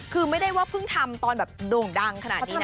คือไม่ได้ว่าเพิ่งทำตอนแบบโด่งดังขนาดนี้นะ